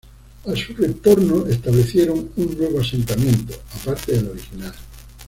A su retorno establecieron un nuevo asentamiento, aparte del original.